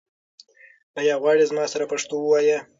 آیا غواړې چې زما سره پښتو ووایې؟